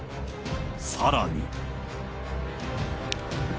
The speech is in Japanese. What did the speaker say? さらに。